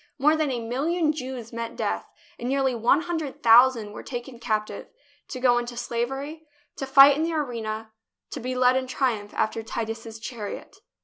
More than a million Jews met death, and nearly one hundred thousand were taken captive, to go into slavery, to fight in the arena, to be led in triumph after Titus's chariot.